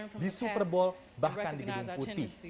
di grammy di super bowl bahkan di bidung putih